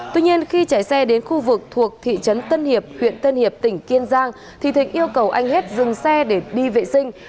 tuy nhiên khi chạy xe đến khu vực thuộc thị trấn tân hiệp huyện tân hiệp tỉnh kiên giang thì thịnh yêu cầu anh hết dừng xe để đi vệ sinh